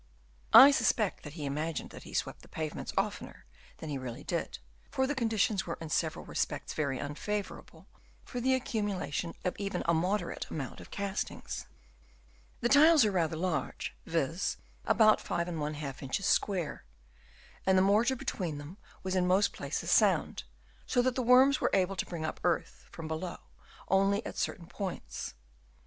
I suspect that he imagined that he swept the pavements oftener than he really did, for the conditions were in several re spects very unfavourable for the accumulation of even a moderate amount of castings. The tiles are rather large, viz., about 5i inches square, and the mortar between them was in most places sound, so that the worms were able to bring up earth from below only at certain points.